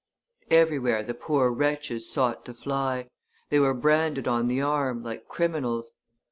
Everywhere the poor wretches sought to fly; they were branded on the arm, like criminals.